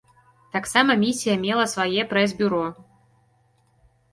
Таксама місія мела свае прэс-бюро.